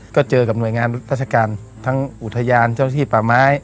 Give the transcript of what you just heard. ก็เจอกับหน่วยงานราชการทั้งอุทยานเจ้าที่ป่าไม้